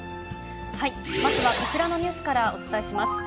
まずはこちらのニュースからお伝えします。